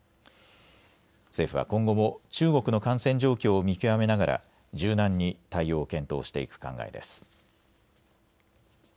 政府は今後も中国の感染状況を見極めながら柔軟に対応を検討していく考えです。